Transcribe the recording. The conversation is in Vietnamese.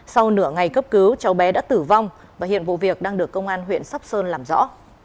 sau nửa ngày cấp cứu cháu bé đã tử vong và hiện vụ việc đang được công an huyện sóc sơn làm rõ